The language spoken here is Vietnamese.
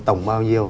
tổng bao nhiêu